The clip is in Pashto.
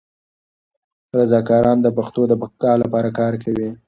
رضاکاران د پښتو د بقا لپاره کار کوي.